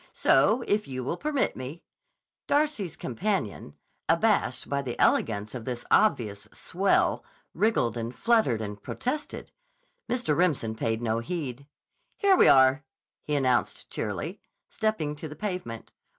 So, if you will permit me—" Darcy's companion, abashed by the elegance of this obvious "swell," wriggled and fluttered and protested. Mr. Remsen paid no heed. "Here we are," he announced cheerily, stepping to the pavement.